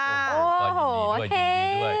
โอ้โฮเฮ้